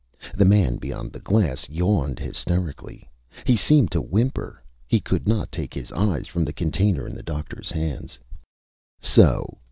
The man beyond the glass yawned hysterically. He seemed to whimper. He could not take his eyes from the container in the doctor's hands. "So!"